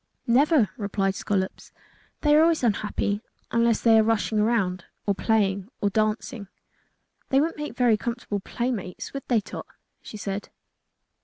"Never," replied Scollops. "They always are unhappy unless they are rushing around or playing or dancing." "They wouldn't make very comfortable playmates, would they, Tot?" she said.